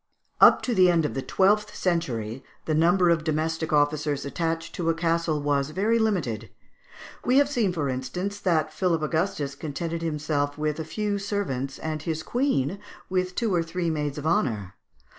Up to the end of the twelfth century, the number of domestic officers attached to a castle was very limited; we have seen, for instance, that Philip Augustus contented himself with a few servants, and his queen with two or three maids of honour.